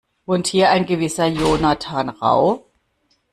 Wohnt hier ein gewisser Jonathan Rau?